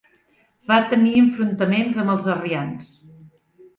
Va tenir enfrontaments amb els arrians.